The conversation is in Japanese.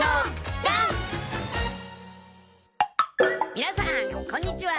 みなさんこんにちは！